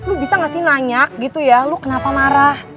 lu bisa gak sih nanyak gitu ya lu kenapa marah